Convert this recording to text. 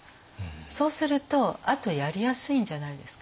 そうするとあとやりやすいんじゃないですか？